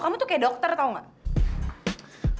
kamu tuh kayak dokter tau gak